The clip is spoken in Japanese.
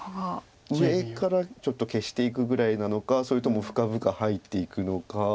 上からちょっと消していくぐらいなのかそれとも深々入っていくのか。